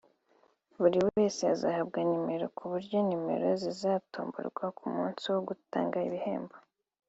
buri wese azahabwa nimero ku buryo nimero zizatomborwa ku munsi wo gutanga igihembo